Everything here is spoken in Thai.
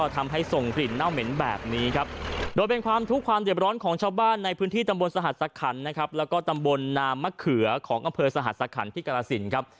ชาวบ้านในพื้นที่ตำบลสหัสสะขันนะครับแล้วก็ตำบลนามมะเขือของกำเภอสหัสสะขันที่กรสินครับ